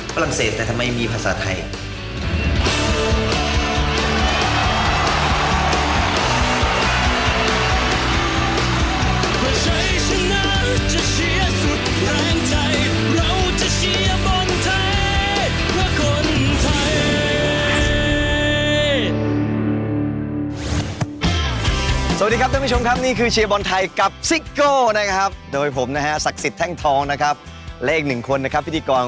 ฝรั่งเศสแต่ทำไมมีภาษาไทย